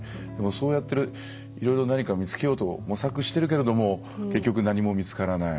そうやって、いろいろ何か見つけようと模索してるけども結局、何も見つからない。